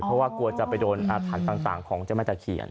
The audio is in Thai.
เพราะว่ากลัวจะไปโดนอาถรรพ์ต่างของเจ้าแม่ตะเขียน